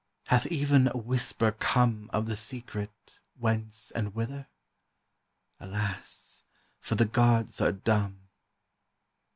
Hath even a whisper come Of the secret, Whence and Whither? Alas! for the gods are dumb.